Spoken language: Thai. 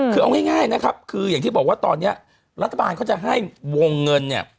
คือเอาง่ายนะครับคืออย่างที่บอกว่าตอนนี้รัฐบาลเขาจะให้วงเงินเนี่ย